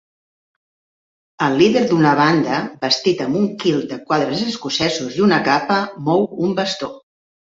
El líder d'una banda vestit amb un kilt de quadres escocesos i una capa mou un bastó.